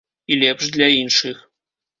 І лепш для іншых.